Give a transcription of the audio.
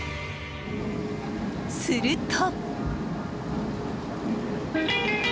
すると。